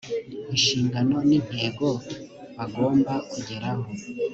inshingano n intego bagomba kugeraho